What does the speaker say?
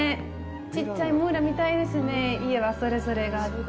ちっちゃい村みたいですね、家が、それぞれがあって。